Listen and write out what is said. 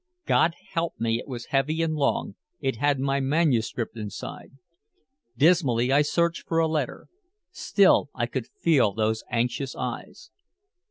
God help me, it was heavy and long, it had my manuscript inside. Dismally I searched for a letter. Still I could feel those anxious eyes.